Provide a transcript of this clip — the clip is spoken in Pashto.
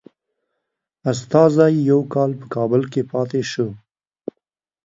استازی یو کال په کابل کې پاته شو.